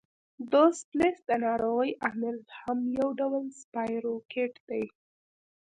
دوسفلیس د ناروغۍ عامل هم یو ډول سپایروکیټ دی.